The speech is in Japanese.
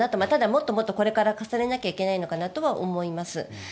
ただもっともっとこれから重ねなきゃいけないのかなと思います。